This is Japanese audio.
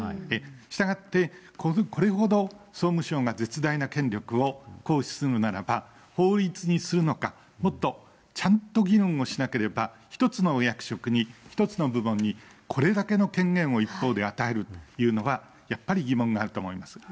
したがって、これほど総務省が絶大な権力を行使するならば、法律にするのか、もっとちゃんと議論をしなければ、１つの役職に１つの部門にこれだけの権限を一方で与えるというのは、やっぱり疑問があると思います。